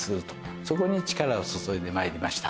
そこに力を注いで参りました。